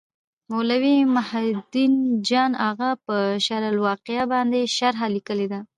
مولوي محي الدین جان اغا په شرح الوقایه باندي شرحه لیکلي ده.